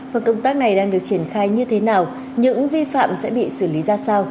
và công tác này đang được triển khai như thế nào những vi phạm sẽ bị xử lý ra sao